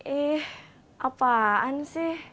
ih apaan sih